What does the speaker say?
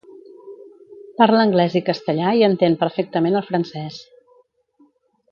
Parla anglès i castellà i entén perfectament el francès.